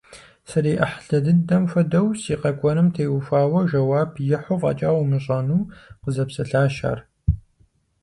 СриӀыхьлы дыдэм хуэдэу, си къэкӀуэнум теухуауэ жэуап ихьу фӀэкӀа умыщӀэну къызэпсэлъащ ар.